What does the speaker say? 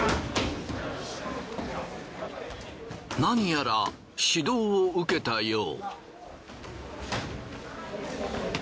何やら指導を受けたよう。